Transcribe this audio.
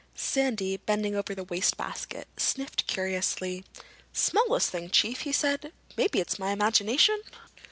Sandy, bending over the wastebasket, sniffed curiously. "Smell this thing, Chief," he said. "Maybe it's my imagination."